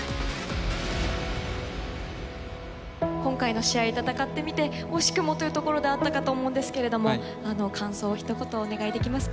今回の試合戦ってみて惜しくもというところであったかと思うんですけれども感想ひと言お願いできますか？